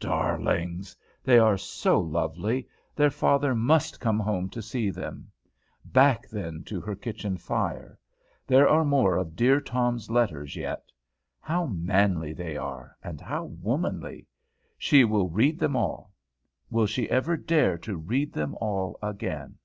Darlings! they are so lovely, their father must come home to see them! Back then to her kitchen fire. There are more of dear Tom's letters yet. How manly they are, and how womanly. She will read them all! will she ever dare to read them all again?